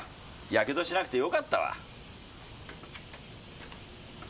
やけどしなくてよかったわ。